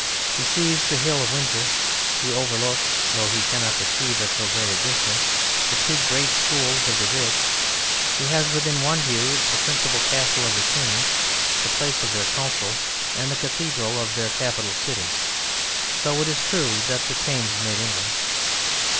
He sees the hill of Windsor. He overlooks, though he cannot perceive at so great a distance, the two great schools of the rich; he has within one view the principal Castle of the Kings, the place of their council, and the cathedral of their capital city: so true is it that the Thames made England.